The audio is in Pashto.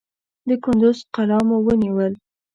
د کندوز قلا مو ونیول.